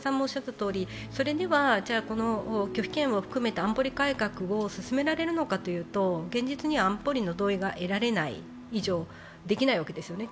ただ、拒否権を含めた安保理改革を進められるかというと現実には安保理の同意が得られない以上できないわけですよね。